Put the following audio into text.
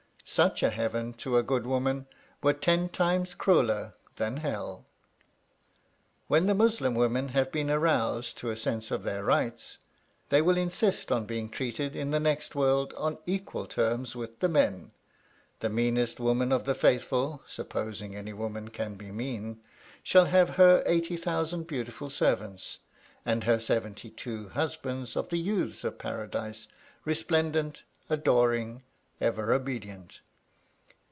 Such a heaven to a good woman were ten times crueller than hell. When the Muslim women have been aroused to a sense of their rights, they will insist on being treated in the next world on equal terms with the men: the meanest woman of the faithful (supposing any woman can be mean) shall have her eighty thousand beautiful servants, and her seventy two husbands of the youths of Paradise, resplendent, adoring, ever obedient.